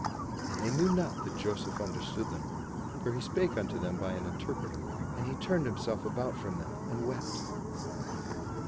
And they knew not that Joseph understood them; for he spoke unto them by an interpreter. And he turned himself about from them and wept.